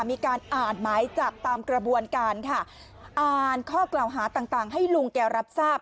มีการอ่านหมายจับตามกระบวนการค่ะอ่านข้อกล่าวหาต่างต่างให้ลุงแกรับทราบ